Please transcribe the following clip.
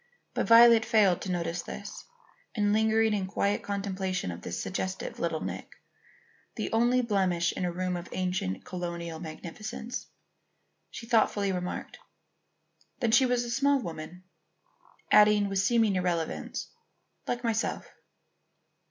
But Violet failed to notice this, and lingering in quiet contemplation of this suggestive little nick, the only blemish in a room of ancient colonial magnificence, she thoughtfully remarked: "Then she was a small woman?" adding with seeming irrelevance "like myself."